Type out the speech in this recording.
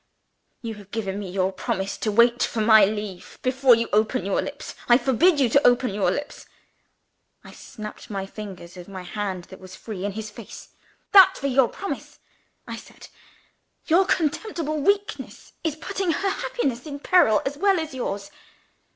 "You have given me your promise to wait for my leave before you open your lips. I forbid you to open your lips." I snapped the fingers of my hand that was free, in his face. "That for my promise!" I said. "Your contemptible weakness is putting her happiness in peril as well as yours."